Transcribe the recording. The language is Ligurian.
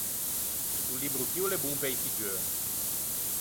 Sto libbro chì o l’é bon pe-i figgeu.